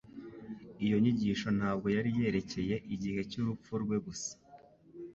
Iyo nyigisho ntabwo yari yerekeye igihe cy'urupfu rwe gusa,